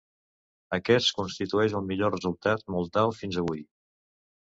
Aquest constitueix el millor resultat moldau fins avui.